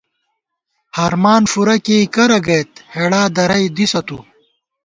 ہرمان فُرہ کېئی کرہ گَئیت ، ہېڑا درَئی دِسہ تُو